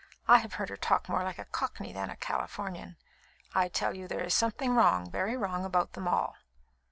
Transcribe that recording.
I have heard her talk more like a Cockney than a Californian. I tell you there is something wrong, very wrong, about them all."